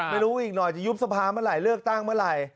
ไม่รู้อีกหน่อยจะยุบสภาเมื่อไหร่เลือกตั้งเมื่อไหร่